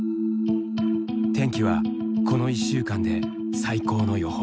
天気はこの１週間で最高の予報。